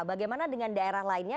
bagaimana dengan daerah lainnya